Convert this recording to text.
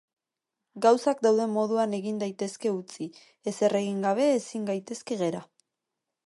Gauzak dauden moduan ezin daitezke utzi, ezer egin gabe ezin gaitezke gera.